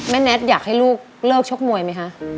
แม่แน็ทอยากให้ลูกเลิกชกมวยมั้ยคะ